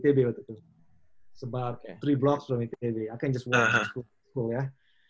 tiga blok dari itb saya bisa bekerja di sekitar sekitar